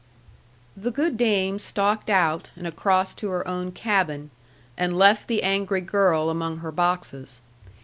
The good dame stalked out, and across to her own cabin, and left the angry girl among her boxes.